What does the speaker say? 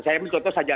misalnya di kantornya